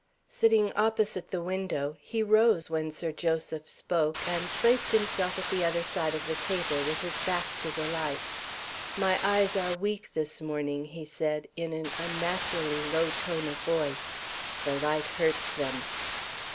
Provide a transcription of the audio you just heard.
Sitting opposite the window, he rose when Sir Joseph spoke, and placed himself at the other side of the table, with his back to the light. "My eyes are weak this morning," he said, in an unnaturally low tone of voice. "The light hurts them."